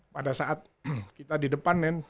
pada saat kita di depan